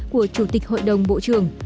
của chủ tịch hội đồng bộ trưởng